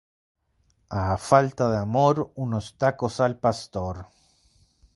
A falta de amor, unos tacos al pastor